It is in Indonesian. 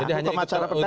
jadi hanya ikut keuntungan